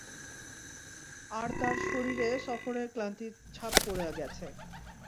আর তার শরীরে সফরের ক্লান্তির ছাপ পড়ে গেছে।